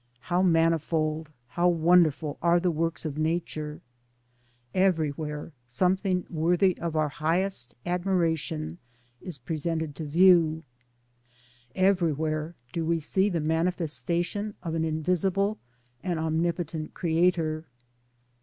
How manifold, how wonderful are the works of Nature : Every where something worthy of our highest ad DAYS ON THE ROAD. 229 miration is presented to view; everywhere do we see the manifestation of an invisible and omnipotent Creator.